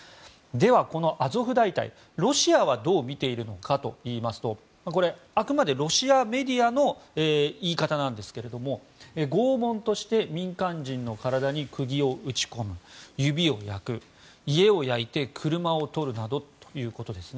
では、このアゾフ大隊ロシアはどう見ているのかといいますとあくまでロシアメディアの言い方なんですけども拷問として民間人の体に釘を打ち込む指を焼く、家を焼いて車をとるなどということです。